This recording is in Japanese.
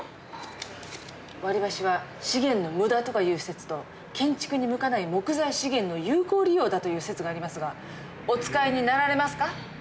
割り箸は資源の無駄とかいう説と建築に向かない木材資源の有効利用という説がありますがお使いになられますか？